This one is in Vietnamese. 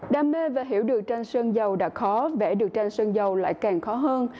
đam mê và hiểu được tranh sơn dầu đã khó vẽ được tranh sơn dầu lại càng khó hơn